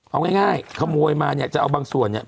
เอาง่ายขโมยมาเนี่ยจะเอาบางส่วนเนี่ย